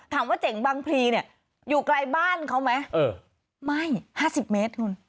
ถามว่าเจ๋งบังพลีอยู่ไกลบ้านเขาไหมไม่๕๐เมตร